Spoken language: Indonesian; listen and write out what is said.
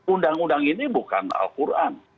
undang undang ini bukan al quran